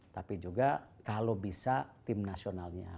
tapi juga kalau bisa tim nasionalnya